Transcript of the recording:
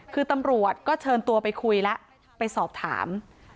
คือตำรวจก็เชิญตัวไปคุยแล้วไปสอบถาม